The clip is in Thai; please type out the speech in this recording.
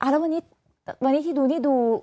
แล้ววันนี้ที่ดูนี่ดู